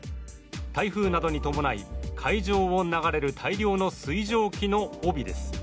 台風などに伴い海上を流れる大量の水蒸気の帯です